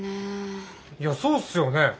いやそうっすよね。